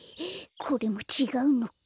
これもちがうのか。